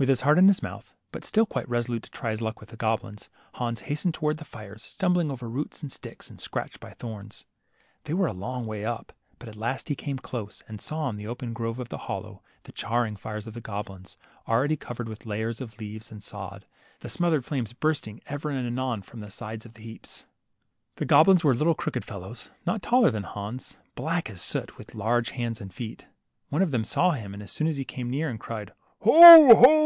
With his heart in his mouth, but still quite reso lute to try his luck with the goblins, Hans hastened towards the fires, stumbling over roots and sticks, and scratched by thorns. They were a long way up, but at last he came close, and saw in the open grove of the hollow the charring fires of the goblins, already covered with layers of leaves and sod, the smothered flames bursting ever and anon from the sides of the 30 LITTLE HANS. heaps. The goblins were little crooked fellows, not taller than Hans, black as soot, with large hands and feet. One of them saw him as soon as he came near, and cried, Ho ! ho